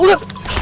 suara siapa itu